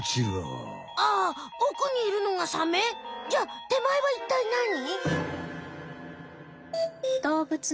あおくにいるのがサメ？じゃあてまえはいったいなに？